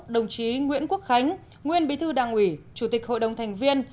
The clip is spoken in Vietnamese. đồng chí nguyễn quốc khánh nguyên bí thư đảng ủy chủ tịch hội đồng thành viên